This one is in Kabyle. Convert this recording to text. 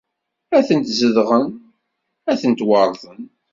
A tent-zedɣen, a tent-weṛten.